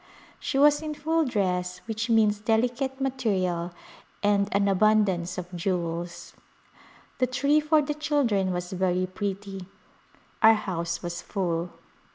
She was in full dress which means delicate material and an abundance of jewels. The tree for the children was very pretty. Our house was full.